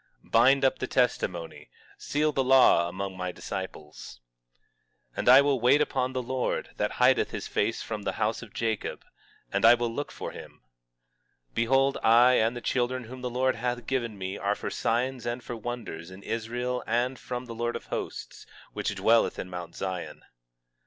18:16 Bind up the testimony, seal the law among my disciples. 18:17 And I will wait upon the Lord, that hideth his face from the house of Jacob, and I will look for him. 18:18 Behold, I and the children whom the Lord hath given me are for signs and for wonders in Israel from the Lord of Hosts, which dwelleth in Mount Zion.